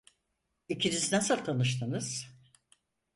İkiniz nasıl tanıştınız?